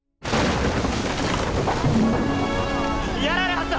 やられはった！